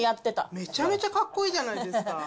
めちゃめちゃかっこいいじゃないですか。